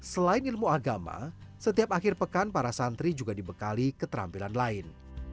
selain ilmu agama setiap akhir pekan para santri juga dibekali keterampilan lain